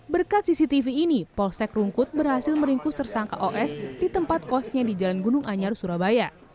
berkat cctv ini polsek rungkut berhasil meringkus tersangka os di tempat kosnya di jalan gunung anyar surabaya